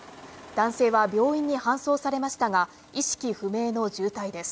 男性は病院に搬送されましたが、意識不明の重体です。